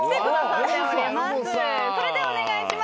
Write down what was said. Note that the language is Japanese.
それではお願いします。